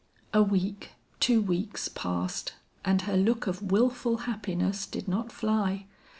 "A week, two weeks passed, and her look of wilful happiness did not fly.